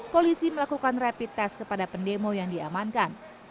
polisi melakukan rapid test kepada pendemo yang diamankan